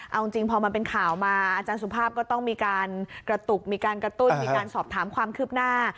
เอาจริงพอมันเป็นข่าวมาอาจารย์สุภาพก็ต้องมีการกระตุกมีการกระตุ้นมีการสอบถามความคืบหน้า